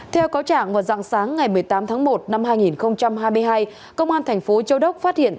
theo cáo trạng vào dạng sáng ngày một mươi tám tháng một năm hai nghìn hai mươi hai công an thành phố châu đốc phát hiện